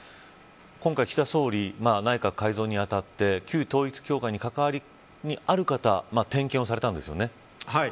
今回、岸田総理内閣改造にあたって旧統一教会に関わりがあるか点検をされたんですよね。